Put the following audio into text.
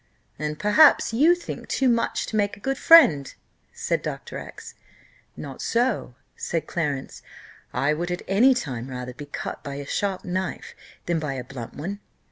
"And perhaps you think too much to make a good friend," said Dr. X . "Not so," said Clarence: "I would at any time rather be cut by a sharp knife than by a blunt one.